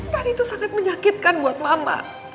dan itu sangat menyakitkan buat mama